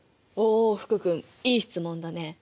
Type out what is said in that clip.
お福君いい質問だね！